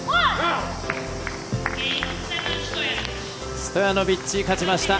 ストヤノビッチ勝ちました。